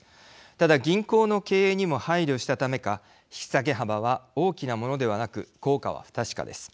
ただ、銀行の経営にも配慮したためか引き下げ幅は大きなものではなく効果は不確かです。